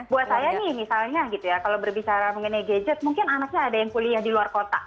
buat saya nih misalnya gitu ya kalau berbicara mengenai gadget mungkin anaknya ada yang kuliah di luar kota